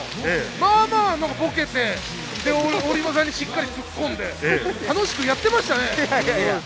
まぁまぁボケて、折茂さんにしっかり突っ込んで、楽しくやっていましたね。